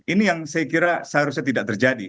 ini yang saya kira seharusnya tidak terjadi